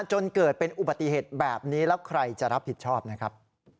จนเกิดเป็นอุบัติเหตุแบบนี้แล้วใครจะรับผิดชอบนะครับ